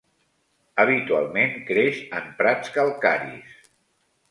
Habitualment, creix en prats calcaris.